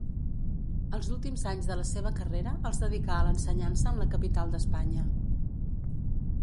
Els últims anys de la seva carrera els dedicà a l'ensenyança en la capital d'Espanya.